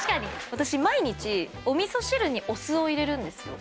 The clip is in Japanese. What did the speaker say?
私毎日お味噌汁にお酢を入れるんですよ。